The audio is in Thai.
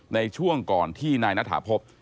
ในช่วงก่อนที่นายณฐาพบ